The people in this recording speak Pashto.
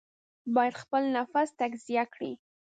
باید خپل نفس تزکیه کړي.